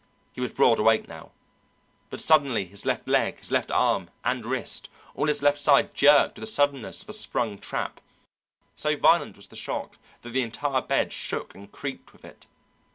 He was broad awake now, but suddenly his left leg, his left arm and wrist, all his left side jerked with the suddenness of a sprung trap; so violent was the shock that the entire bed shook and creaked with it.